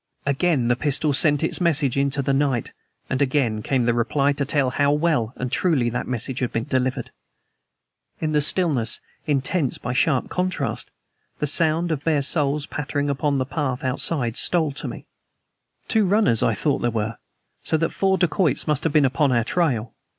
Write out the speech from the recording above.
Again the pistol sent its message into the night, and again came the reply to tell how well and truly that message had been delivered. In the stillness, intense by sharp contrast, the sound of bare soles pattering upon the path outside stole to me. Two runners, I thought there were, so that four dacoits must have been upon our trail.